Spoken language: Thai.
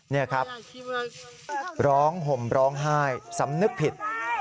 นี่ครับร้องห่มร้องไห้สำนึกผิด